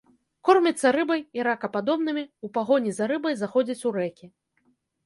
Корміцца рыбай і ракападобнымі, у пагоні за рыбай заходзіць у рэкі.